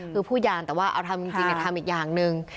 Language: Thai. คือผู้ยานแต่ว่าเอาทำจริงเนี่ยทำอีกอย่างหนึ่ง